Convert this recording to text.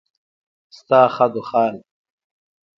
ستا خدوخال